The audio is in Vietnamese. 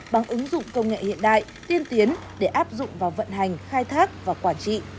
bằng ứng dụng công nghệ hiện đại tiên tiến để áp dụng vào vận hành khai thác và quản trị